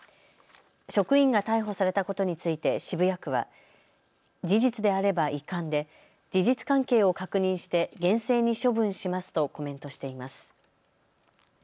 職員が逮捕されたことについて渋谷区は事実であれば遺憾で事実関係を確認して厳正に処分しますとコメントしています。